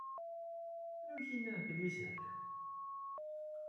Anwa i ak-yennan belli yeshel?